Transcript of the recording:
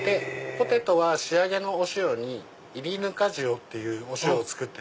ポテトは仕上げのお塩にいりぬか塩っていうお塩を。